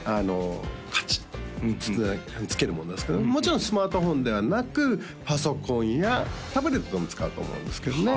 カチッと付けるものなんですけどもちろんスマートフォンではなくパソコンやタブレットでも使うと思うんですけどね